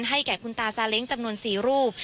ให้แก่คุณตาสาเล็งก์จำนวน๔รูป